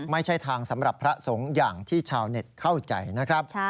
ไม่ใช่ทางสำหรับพระสงฆ์อย่างที่ชาวเน็ตเข้าใจนะครับ